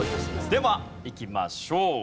ではいきましょう。